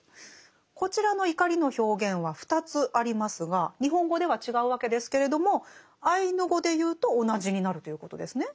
こちらの怒りの表現は２つありますが日本語では違うわけですけれどもアイヌ語で言うと同じになるということですね？